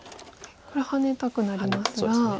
これハネたくなりますが。